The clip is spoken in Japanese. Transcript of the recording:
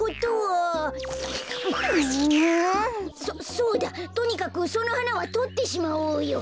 そそうだとにかくそのはなはとってしまおうよ。